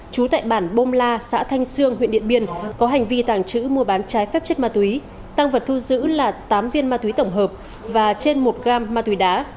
trú tại bản bôm la xã thanh sương huyện điện biên có hành vi tàng trữ mua bán trái phép chất ma túy tăng vật thu giữ là tám viên ma túy tổng hợp và trên một gam ma túy đá